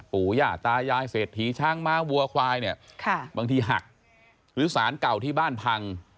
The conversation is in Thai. ปู่ย่าตายายเศรษฐีช้างม้าวัวควายเนี่ยบางทีหักหรือสารเก่าที่บ้านพัง